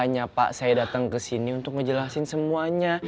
makanya pak saya dateng kesini untuk ngejelasin semuanya